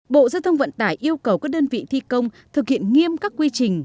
bộ giao thông vận tải yêu cầu các đơn vị thi công thực hiện nghiêm các quy trình